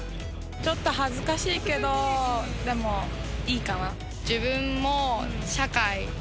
ちょっと恥ずかしいけど、でもいいかな。